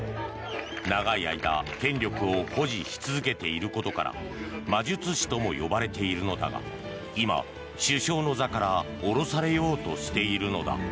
長い間権力を保持し続けていることから魔術師とも呼ばれているのだが今、首相の座から降ろされようとしているのだ。